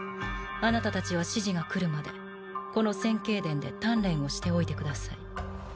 あなたたちは指示が来るまでこの千景殿で鍛錬をしておいてください。